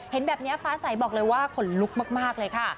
เห็นแบบนี้ฟ้าใสบอกเลยว่าขนลุกมากเลยค่ะ